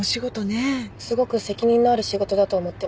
すごく責任のある仕事だと思ってます。